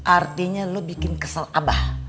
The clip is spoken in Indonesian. artinya lo bikin kesel abah